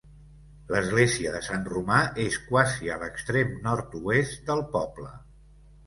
L'església de Sant Romà és quasi a l'extrem nord-oest del poble.